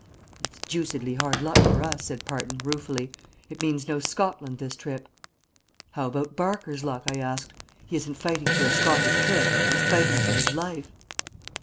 "It's deucedly hard luck for us," said Parton, ruefully. "It means no Scotland this trip." "How about Barker's luck?" I asked. "He isn't fighting for a Scottish trip he's fighting for his life."